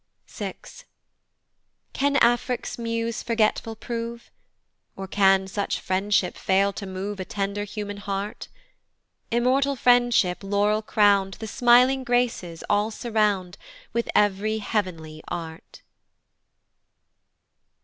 VI. Can Afric's muse forgetful prove? Or can such friendship fail to move A tender human heart? Immortal Friendship laurel crown'd The smiling Graces all surround With ev'ry heav'nly Art.